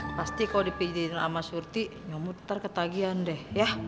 pasti kalau dipijitin sama surti nyamud ntar ketagihan deh ya